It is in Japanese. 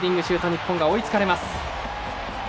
日本が追いつかれます。